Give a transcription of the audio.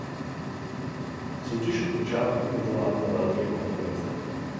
Soutěž od počátku vyvolávala velké kontroverze.